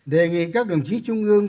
đề nghị các đồng chí trung ương